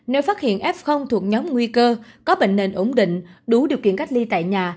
nếu phát hiện f thuộc nhóm nguy cơ có bệnh nền ổn định đủ điều kiện cách ly tại nhà